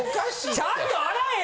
ちゃんと洗えよ！